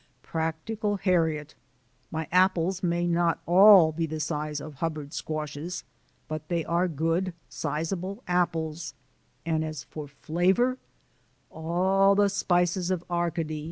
Practical Harriet! My apples may not ALL be the size of Hubbard squashes, but they are good, sizable apples, and as for flavour all the spices of Arcady